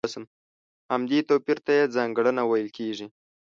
همدې توپير ته يې ځانګړنه ويل کېږي.